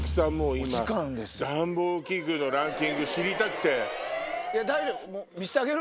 今暖房器具ランキング知りたくて。